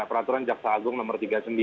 peraturan jaksa agung nomor tiga puluh sembilan